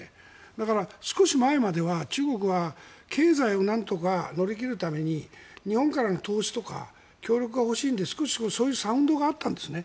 だから、少し前までは中国は経済をなんとか乗り切るために日本からの投資とか協力が欲しいので少しそういうサウンドがあったんですね。